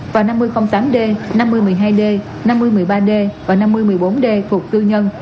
và năm mươi tám d năm mươi một mươi hai d năm mươi một mươi ba d và năm mươi một mươi bốn d thuộc tư nhân